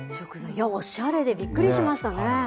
いや、おしゃれでびっくりしましたね。